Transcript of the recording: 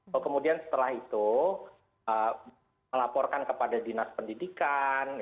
lalu kemudian setelah itu melaporkan kepada dinas pendidikan